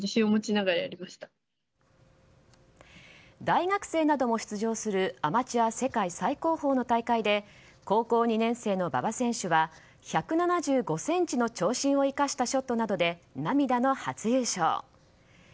大学生なども出場するアマチュア世界最高峰の大会で高校２年生の馬場選手は１７５ｃｍの長身を生かしたショットなどで涙の初優勝。